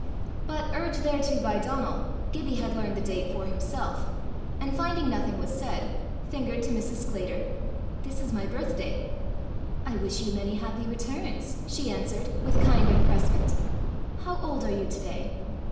But, urged thereto by Donal, Gibbie had learned the date for himself, and finding nothing was said, fingered to Mrs. Sclater, "This is my birthday." "I wish you many happy returns," she answered, with kind empressement. "How old are you to day?"